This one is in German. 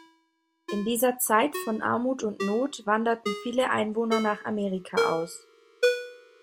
In dieser Zeit von Armut und Not wanderten viele Einwohner nach Amerika aus.